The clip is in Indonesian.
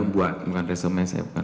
bukan bukan resumen saya